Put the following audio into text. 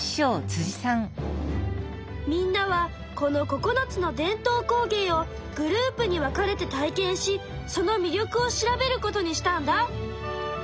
みんなはこのここのつの伝統工芸をグループに分かれて体験しその魅力を調べることにしたんだ。